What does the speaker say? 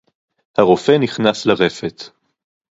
הָרוֹפֵא נִכְנַס לָרֶפֶת.